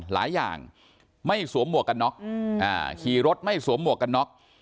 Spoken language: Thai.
หลายอย่างไม่สวมหัวกับน็อก